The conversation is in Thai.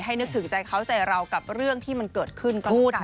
นึกถึงใจเขาใจเรากับเรื่องที่มันเกิดขึ้นก็แล้วกัน